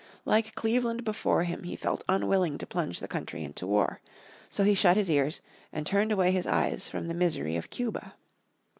Like Cleveland before him he felt unwilling to plunge the country into war. So he shut his ears, and turned away his eyes from the misery of Cuba.